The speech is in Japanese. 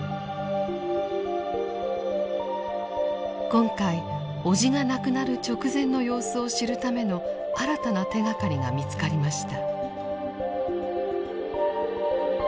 今回叔父が亡くなる直前の様子を知るための新たな手がかりが見つかりました。